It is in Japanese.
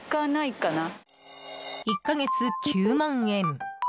１か月９万円。